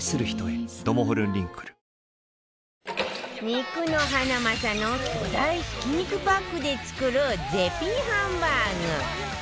肉のハナマサの巨大ひき肉パックで作る絶品ハンバーグ